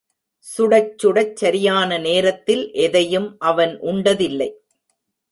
சுடச் சுடச் சரியான நேரத்தில் எதையும் அவன் உண்டதில்லை.